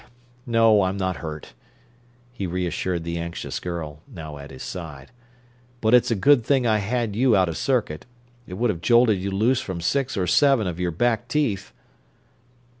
No, I'm not hurt," he reassured the anxious girl, now at his side, "but it's a good thing I had you out of circuit it would have jolted you loose from six or seven of your back teeth."